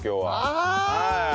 ああ！